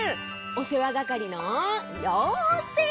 おせわがかりのようせい！